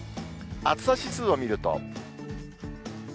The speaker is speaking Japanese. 暑さ指数を見ると。